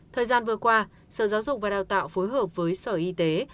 thời gian vừa qua sở giáo dục và đào tạo phối hợp với sở y tế